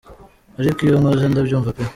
“Ariko iyo nkoze ndabyumva pe,”.